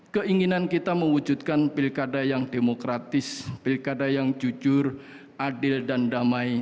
keinginan kita mewujudkan pilkada yang demokratis pilkada yang jujur adil dan damai